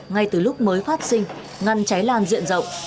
ngay từ lúc mới phát sinh ngăn cháy lan diện rộng